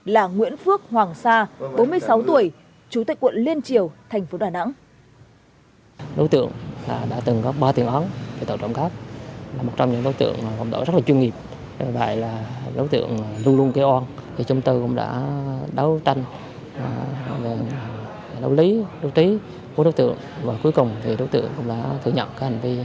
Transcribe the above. là nguyễn phước hoàng sa bốn mươi sáu tuổi chủ tịch quận liên triều thành phố đà nẵng